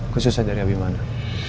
khususnya dari abimana